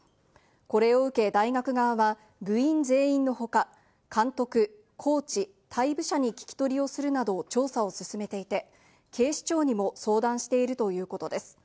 これを受け大学側は部員全員の他、監督、コーチ、退部者に聞き取りをするなど調査を進めていて、警視庁にも相談しているということです。